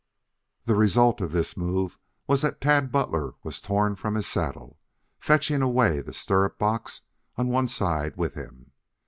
The result of this move was that Tad Butler was torn from his saddle, fetching away the stirrup box on one side with him.